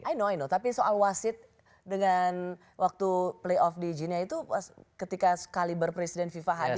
i know i know tapi soal wasit dengan waktu playoff di jinia itu ketika sekaliber presiden viva hadir